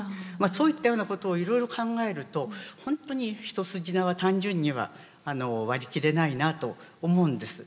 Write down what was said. そういったようなことをいろいろ考えると本当に一筋縄単純には割り切れないなと思うんです。